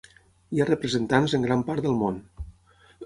Hi ha representants en gran part del món.